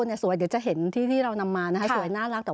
ให้เจอว่าที่ที่เรานำมานะคะกว่าสับอย่า